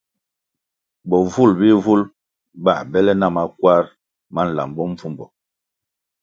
Bovul bihvul bā bèlè na makwar ma nlambo mbvumbo.